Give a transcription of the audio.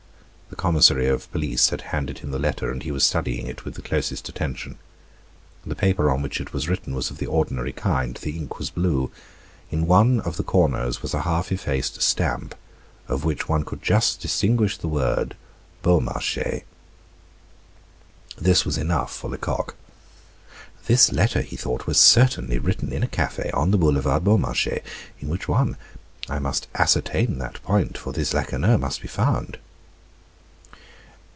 The commissary of police had handed him the letter, and he was studying it with the closest attention. The paper on which it was written was of the ordinary kind; the ink was blue. In one of the corners was a half effaced stamp, of which one could just distinguish the word Beaumarchais. This was enough for Lecoq. "This letter," he thought, "was certainly written in a cafe on the Boulevard Beaumarchais. In which one? I must ascertain that point, for this Lacheneur must be found."